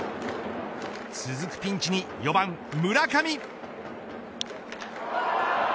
続くピンチに４番村上。